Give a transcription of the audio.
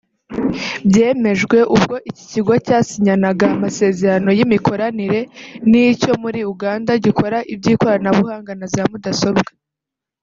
Byemejwe ubwo iki kigo cyasinyanaga amasezerano y’imikoranire n’icyo muri Uganda gikora iby’ikoranabuhanga na za Mudasobwa